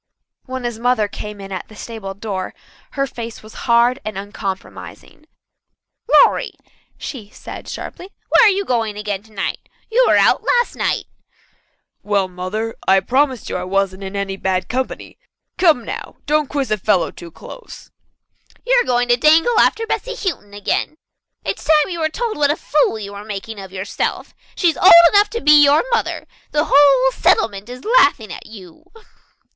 When his mother came in at the stable door her face was hard and uncompromising. "Lawrie," she said sharply, "where are you going again tonight? You were out last night." "Well, Mother, I promise you I wasn't in any bad company. Come now, don't quiz a fellow too close." "You are going to dangle after Bessy Houghton again. It's time you were told what a fool you were making of yourself. She's old enough to be your mother. The whole settlement is laughing at you."